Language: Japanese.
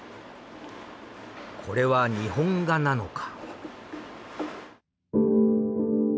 これは日本画なのか？